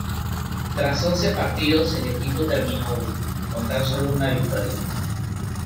Tras once partidos, el equipo terminó último, con tan solo una victoria.